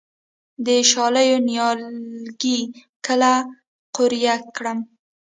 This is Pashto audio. د شالیو نیالګي کله قوریه کړم؟